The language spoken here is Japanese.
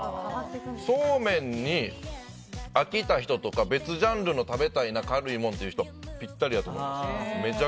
そうめんに飽きた人とか別ジャンルを食べたいな、軽いもんっていう人ぴったりやと思います。